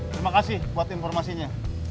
terima kasih buat informasinya